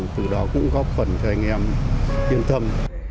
từ đó cũng góp phần cho anh em yên tâm